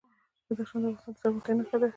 بدخشان د افغانستان د زرغونتیا نښه ده.